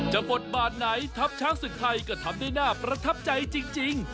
บทบาทไหนทัพช้างศึกไทยก็ทำได้น่าประทับใจจริง